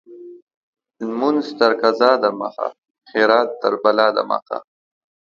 لمونځ تر قضا د مخه ، خيرات تر بلا د مخه.